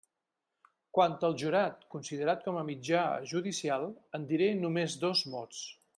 Quant al jurat considerat com a mitjà judicial, en diré només dos mots.